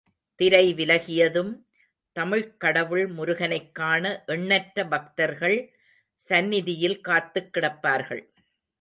திரை விலகியதும், தமிழ்க் கடவுள் முருகனைக் காண எண்ணற்ற பக்தர்கள் சந்நிதியில் காத்துக் கிடப்பார்கள்.